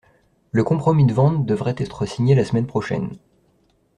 Le compromis de vente devrait être signé la semaine prochaine.